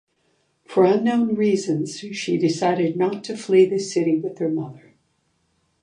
For unknown reasons, she decided not to flee the city with her mother.